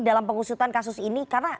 dalam pengusutan kasus ini karena